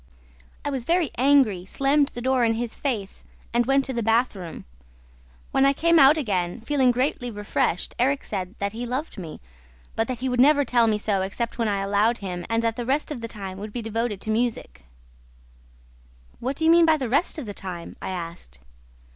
"I was very angry, slammed the door in his face and went to the bath room ... When I came out again, feeling greatly refreshed, Erik said that he loved me, but that he would never tell me so except when I allowed him and that the rest of the time would be devoted to music. 'What do you mean by the rest of the time?' I asked.